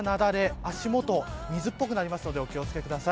足元、水っぽくなるのでお気を付けください。